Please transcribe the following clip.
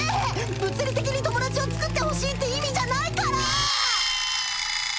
物理的に友達を作ってほしいって意味じゃないから！